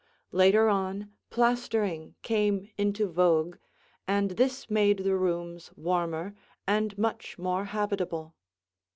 Later on plastering came into vogue and this made the rooms warmer and much more habitable.